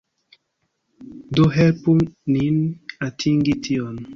Do helpu nin atingi tion